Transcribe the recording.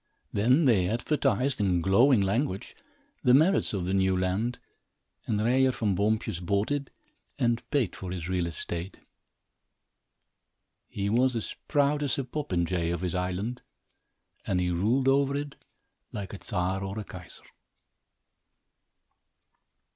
Then they advertised, in glowing language, the merits of the new land and Ryer Van Boompjes bought it and paid for his real estate. He was as proud as a popinjay of his island and he ruled over it like a Czar or a Kaiser.